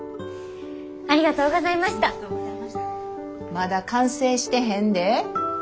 まだ完成してへんで。